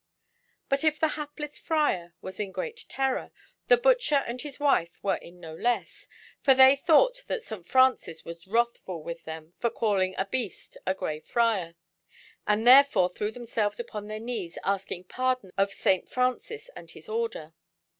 But if the hapless Friar was in great terror, the butcher and his wife were in no less; for they thought that St. Francis was wrathful with them for calling a beast a Grey Friar, and therefore threw themselves upon their knees asking pardon of St. Francis and his Order.